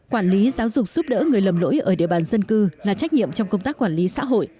quản lý giáo dục giúp đỡ người lầm lỗi ở địa bàn dân cư là trách nhiệm trong công tác quản lý xã hội